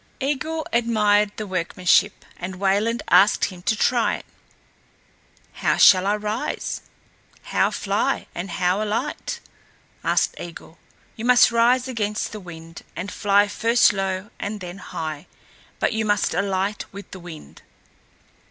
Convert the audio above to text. Eigil admired the workmanship and Wayland asked him to try it. "How shall I rise, how fly, and how alight?" asked Eigil. "You must rise against the wind, and fly first low and then high, but you must alight with the wind."